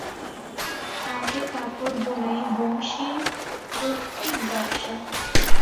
তাঁতে কাপড় বোনাই বংশীর পৈতৃক ব্যবসায়।